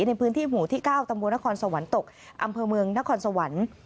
ในพื้นที่หมู่ที่๙ตำบลนครสวรรค์ตกอำเภอเมืองนครสวรรค์